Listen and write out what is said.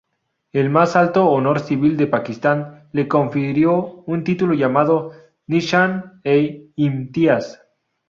El más alto honor civil de Pakistán, le confirió un título llamado "Nishan-e-Imtiaz".